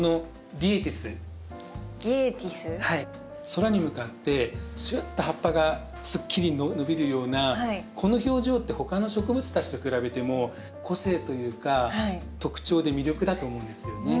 空に向かってシュッと葉っぱがすっきり伸びるようなこの表情って他の植物たちと比べても個性というか特徴で魅力だと思うんですよね。